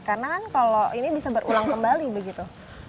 karena kan kalau ini bisa berulang kembali begitu